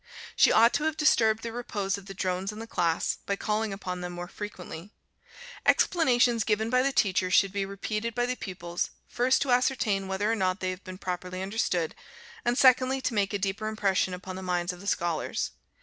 She ought to have disturbed the repose of the drones in the class, by calling upon them more frequently. Explanations given by the teacher should be repeated by the pupils: first, to ascertain whether or not they have been properly understood, and secondly, to make a deeper impression upon the minds of the scholars.